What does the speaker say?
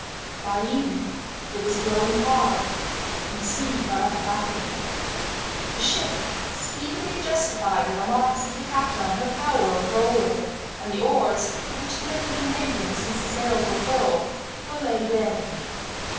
By evening it was blowing hard, and the sea got up rapidly. The ship speedily justified the remarks of the captain on her power of rolling, and the oars, at which the men had been labouring since the sails were furled, were laid in.